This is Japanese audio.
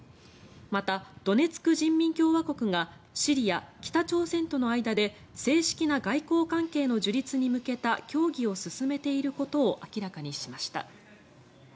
また、ドネツク人民共和国がシリア、北朝鮮との間で正式な外交関係の樹立に向けた協議を進めていることを明らかにしました。